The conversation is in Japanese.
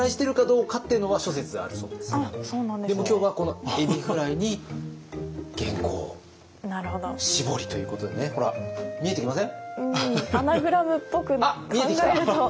でも今日はこのエビフライに元寇をしぼりということでねほら見えてきません？